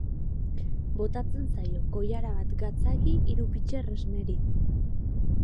Botatzen zaio koilara bat gatzagi hiru pitxer esneri.